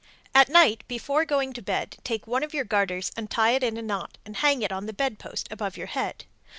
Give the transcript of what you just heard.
At night before going to bed take one of your garters and tie it in a knot and hang it on the bed post above your head.